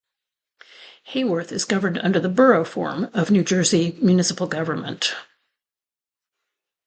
Haworth is governed under the Borough form of New Jersey municipal government.